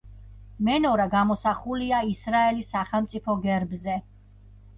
მენორა გამოსახულია ისრაელის სახელმწიფო გერბზე.